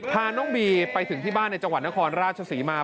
พาน้องบีไปถึงที่บ้านในจังหวัดนครราชศรีมา